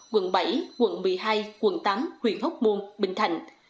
quận bảy quận một mươi hai quận tám huyện hóc môn bình thạnh